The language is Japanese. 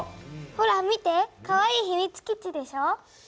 ほら見てかわいいひみつ基地でしょ。